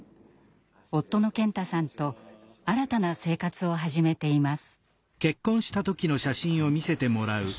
夫の健太さんと新たな生活を始めています。